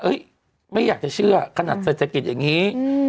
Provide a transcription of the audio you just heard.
ไม่อยากจะเชื่อขนาดเศรษฐกิจอย่างนี้